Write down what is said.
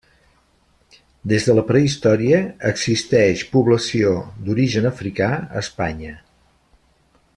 Des de la prehistòria, existeix població d'origen africà a Espanya.